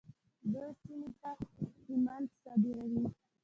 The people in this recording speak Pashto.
دوی سیمې ته سمنټ صادروي.